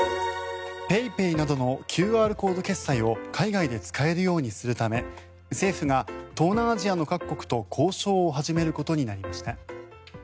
ＰａｙＰａｙなどのＱＲコード決済を海外で使えるようにするため政府が東南アジアの各国と交渉を始めることになりました。